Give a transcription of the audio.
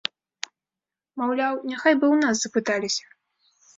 Маўляў, няхай бы ў нас запыталіся.